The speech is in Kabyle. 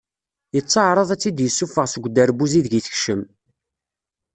Yettaɛraḍ ad tt-id-yessufeɣ seg uderbuz ideg i teckem.